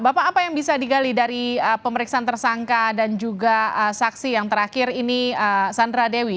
bapak apa yang bisa digali dari pemeriksaan tersangka dan juga saksi yang terakhir ini sandra dewi